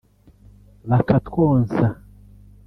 bakatwonsa